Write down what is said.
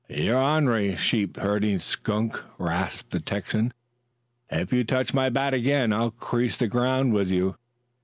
"You onery, sheep herding skunk!" rasped the Texan. "If you touch my bat again, I'll grease the ground with you!